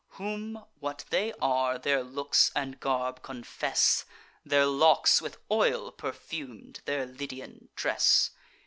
(Whom, what they are, their looks and garb confess, Their locks with oil perfum'd, their Lydian dress.)